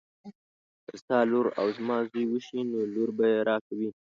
که ستا لور او زما زوی وشي نو لور به یې راکوي.